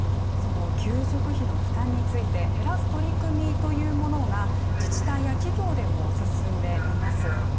給食費の負担について減らす取り組みというものが自治体や企業でもう進んでいます。